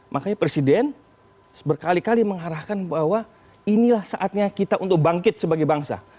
makanya presiden berkali kali mengarahkan bahwa inilah saatnya kita untuk bangkit sebagai bangsa